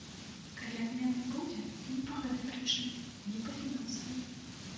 Калі адмена і будзе, то не па гэтай прычыне, не па фінансавай.